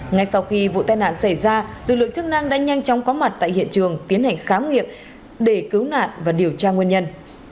ngay sau khi vụ tai nạn xảy ra lực lượng chức năng đã nhanh chóng có mặt tại hiện trường tiến hành khám nghiệp để cứu nạn và điều tra nguyên nhân